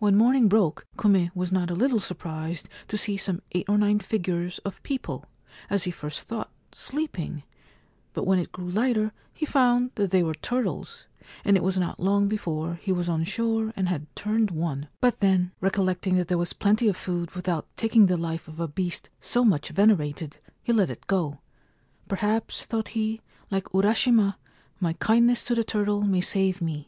When morning broke Kume was not a little surprised to see some eight or nine figures of people, as he first thought, sleeping ; but when it grew lighter he found that they were turtles, and it was not long before he was on shore and had turned one ; but then, recollecting that there was plenty of food without taking the life of a beast so much venerated, he let it go. ' Perhaps,' thought he, * like Urashima, my kindness to the turtle may save me.